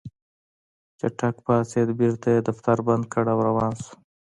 چټک پاڅېد بېرته يې دفتر بند کړ او روان شو.